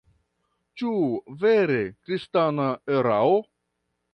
Ĉu vere kristana erao?